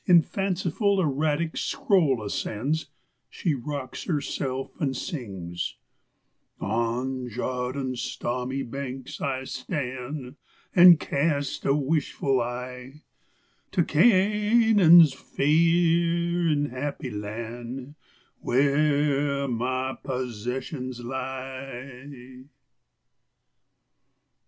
In fanciful, erratic scroll ascends, she rocks herself and sings: "Awn Jawdon's stawmy banks I st an* An* casteh wishful eye To Ca a a a anan's faih an* happy lan* Wheah mah possesshuns lie.